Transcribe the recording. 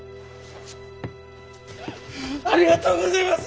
ありがとうごぜます！